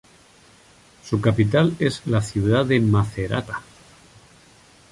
Su capital es la ciudad de Macerata.